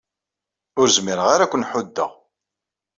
Ur zmireɣ ara ad ken-ḥuddeɣ.